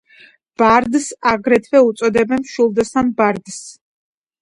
ბარდს აგრეთვე უწოდებდნენ მშვილდოსან ბარდს.